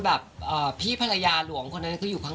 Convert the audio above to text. ทำในสิ่งที่ตุ๊กไม่เคยทำ